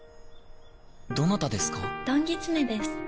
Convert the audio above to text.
どなたですか？